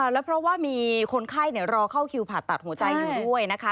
แล้วเพราะว่ามีคนไข้รอเข้าคิวผ่าตัดหัวใจอยู่ด้วยนะคะ